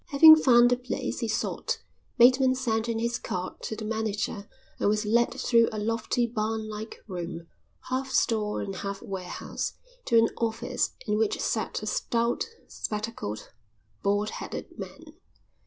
Having found the place he sought, Bateman sent in his card to the manager and was led through a lofty barn like room, half store and half warehouse, to an office in which sat a stout, spectacled, bald headed man.